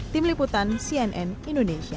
tim liputan cnn indonesia